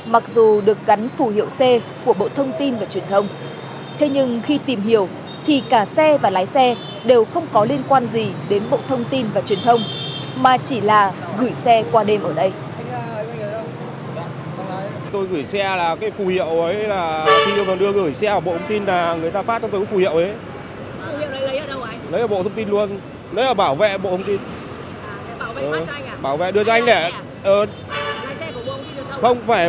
mặc dù được gắn phù hiệu xe của bộ thông tin và truyền thông thế nhưng khi tìm hiểu thì cả xe và lái xe đều không có liên quan gì đến bộ thông tin và truyền thông